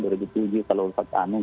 kalau ustadz anung